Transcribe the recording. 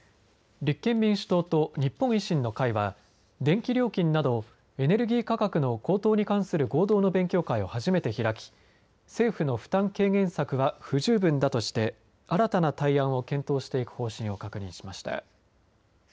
立憲民主党と日本維新の会は電気料金などエネルギー価格の高騰に関する合同の勉強会を初めて開き政府の負担軽減策は不十分だとして新たな対案を検討していく方針を確認しました。